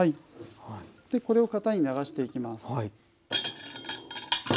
これを型に流していきます。